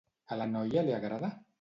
A la noia li agrada?